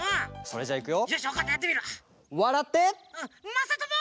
「まさとも！」。